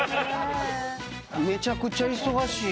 めちゃくちゃ忙しいやん。